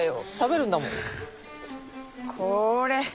これ。